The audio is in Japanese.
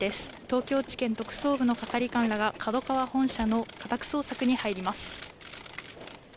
東京地検特捜部の係官らがＫＡＤＯＫＡＷＡ本社の家宅捜索に入ります。